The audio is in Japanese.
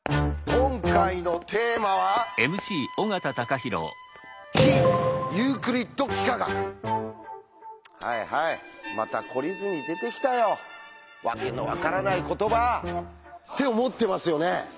今回のテーマは「はいはいまた懲りずに出てきたよ訳の分からない言葉！」って思ってますよね？